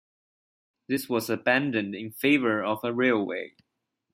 This was abandoned in favour of a railway.